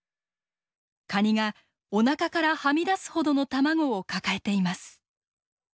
カニがおなかからはみ出すほどの卵を抱えています。